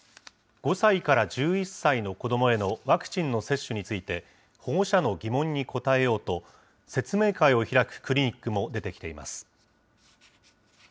５歳から１１歳の子どもへのワクチンの接種について、保護者の疑問に答えようと、説明会を開くクリニックも出てきています。